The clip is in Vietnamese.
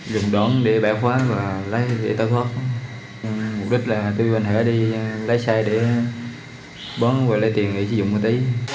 dùng đó để bẻ khóa và lấy để tạo thuốc mục đích là tôi và hải đi lấy xe để bán về lấy tiền để dùng một tí